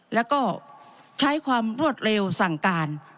แล้วก็ใช้ความรวดเร็วสั่งการ